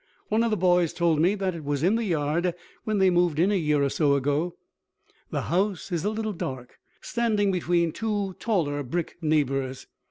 One of the boys told me that it was in the yard when they moved in a year or so ago. The house is a little dark, standing between two taller brick neighbors.